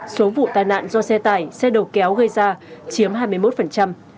số vụ tai nạn do xe tải xe đầu kéo gây ra chiếm hai mươi một